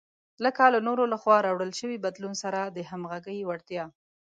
لکه له نورو لخوا راوړل شوي بدلون سره د همغږۍ وړتیا.